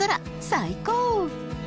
最高！